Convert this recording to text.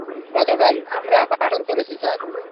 গতরাতে আমরা বাসর করেছি, স্যার!